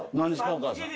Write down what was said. お母さん。